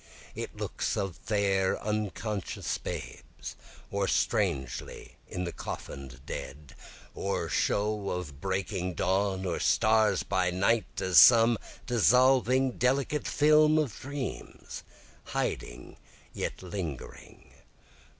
In looks of fair unconscious babes, Or strangely in the coffin'd dead, Or show of breaking dawn or stars by night, As some dissolving delicate film of dreams, Hiding yet lingering.